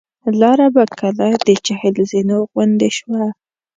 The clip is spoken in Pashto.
لاره به کله د چهل زینو غوندې شوه.